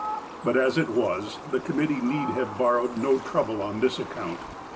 But, as it was, the committee need have borrowed no trouble on this account.